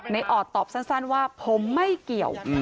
ออดตอบสั้นว่าผมไม่เกี่ยว